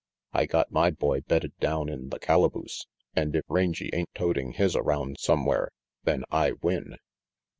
I got my boy bedded down in the calaboose, and if Rangy ain't toting his around somewhere, then I win."